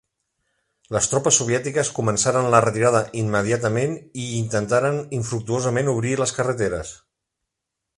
Les tropes soviètiques començaren la retirada immediatament, i intentaren infructuosament obrir les carreteres.